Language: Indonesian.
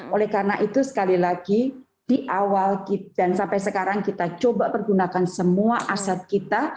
oleh karena itu sekali lagi di awal dan sampai sekarang kita coba pergunakan semua aset kita